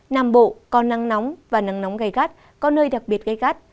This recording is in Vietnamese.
nam bộ có nắng nóng và nắng nóng gai gắt có nơi đặc biệt gây gắt